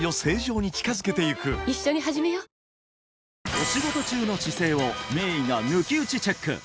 お仕事中の姿勢を名医が抜き打ちチェック！